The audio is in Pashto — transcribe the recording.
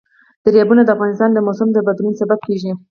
دریابونه د افغانستان د موسم د بدلون سبب کېږي.